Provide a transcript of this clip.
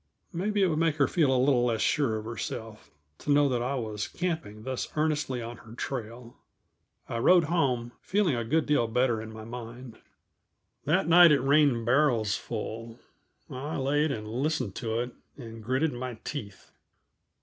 Maybe it would make her feel a little less sure of herself, to know that I was camping thus earnestly on her trail. I rode home, feeling a good deal better in my mind. That night it rained barrelsful. I laid and listened to it, and gritted my teeth.